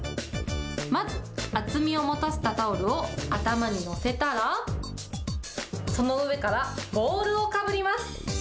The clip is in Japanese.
まず、厚みを持たせたタオルを頭に載せたら、その上からボウルをかぶります。